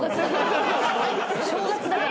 正月だから。